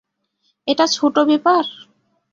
এটা ছোটো ব্যাপার?